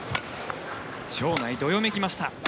場内、どよめきました。